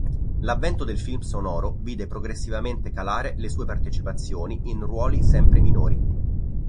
L'avvento del film sonoro vide progressivamente calare le sue partecipazioni in ruoli sempre minori.